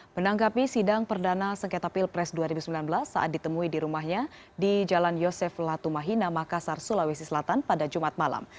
menanggapi sidang perdana sengketa pilpres dua ribu sembilan belas saat ditemui di rumahnya di jalan yosef latumahina makassar sulawesi selatan pada jumat malam